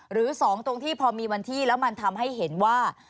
หรือ๒ตรงที่พอมีวันที่แล้วมันทำให้เห็นว่า